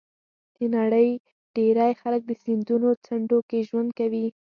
د نړۍ ډېری خلک د سیندونو څنډو کې ژوند کوي.